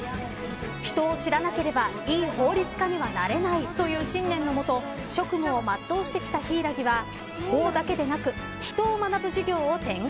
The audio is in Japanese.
人を知らなければいい法律家にはなれないという信念のもと職務を全うしてきた柊木は法だけでなく人を学ぶ授業を展開。